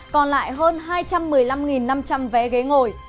còn lại hơn hai trăm một mươi năm năm trăm linh vé ghế ngồi